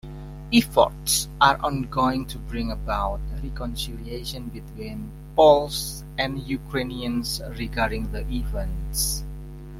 Efforts are ongoing to bring about reconciliation between Poles and Ukrainians regarding the events.